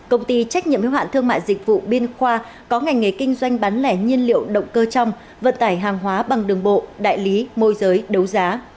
công ty trách nhiệm hiếu hạn thương mại dịch vụ biên khoa có ngành nghề kinh doanh bán lẻ nhiên liệu động cơ trong vận tải hàng hóa bằng đường bộ đại lý môi giới đấu giá